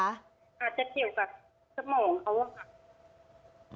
อาจจะเกี่ยวกับสมองเขาอะค่ะ